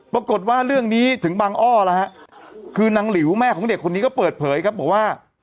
ปรากฏว่าเรื่องนี้ถึงบางอ้อแล้วฮะคือนางหลิวแม่ของเด็กคนนี้ก็เปิดเผยครับบอกว่า